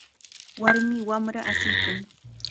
Warmi wamra asiykan.